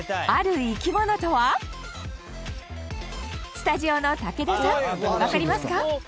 スタジオの武田さんわかりますか？